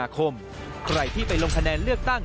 ใครที่ไปลงคะแนนเลือกตั้ง